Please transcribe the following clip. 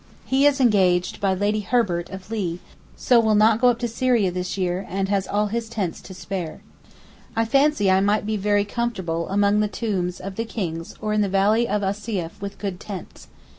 He is engaged by Lady Herbert of Lea, so will not go to Syria this year and has all his tents to spare. I fancy I might be very comfortable among the tombs of the Kings or in the valley of Assaseef with good tents.